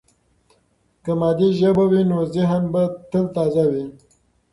که مادي ژبه وي، نو ذهن به تل تازه وي.